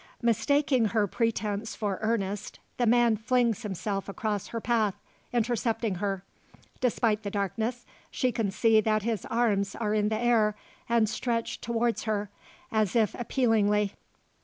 Mistaking her pretence for earnest, the man flings himself across her path intercepting her. Despite the darkness she can see that his arms are in the air, and stretched towards her, as if appealingly.